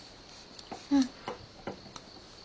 うん。